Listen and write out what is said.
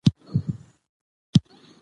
یوه ورځ پاک ژوند تر سل کال چټل ژوند ښه دئ.